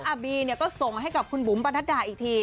และอบีนะก็ส่งให้กับคุณบุ๋มปรณ์ดรัฐอีกที